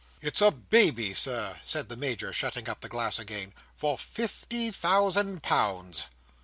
"It's a Baby, Sir," said the Major, shutting up the glass again, "for fifty thousand pounds!"